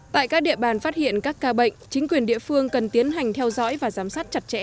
tại các địa bàn phát hiện các ca bệnh chính quyền địa phương cần tiến hành theo dõi và giám sát chặt chẽ